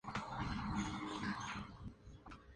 Te ofrece su ayuda en numerosos puntos de tu aventura.